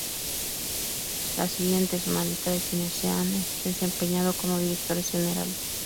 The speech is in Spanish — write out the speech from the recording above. La siguiente es una lista de quienes se han desempeñado como directores generales.